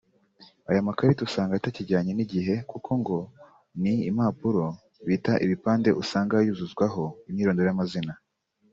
Aya makarita usanga atakijyanye n’igihekuko ngo ni impapuro bita ibipande usanga yuzuzwaho imyirondoro y’amazina